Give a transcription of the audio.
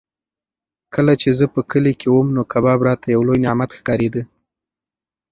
کله چې زه په کلي کې وم نو کباب راته یو لوی نعمت ښکارېده.